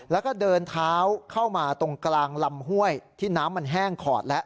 แล้วก็เดินเท้าเข้ามาตรงกลางลำห้วยที่น้ำมันแห้งขอดแล้ว